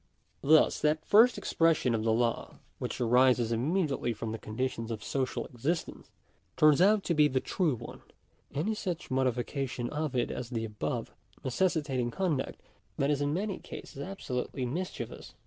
Thus, that first expression of the law which arises immediately from the conditions of social existence, turns out to be the true one: any such modification of it as the above, necessitating con duct that is in many oases absolutely mischievous.